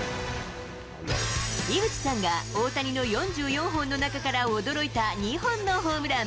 井口さんが大谷の４４本の中から驚いた２本のホームラン。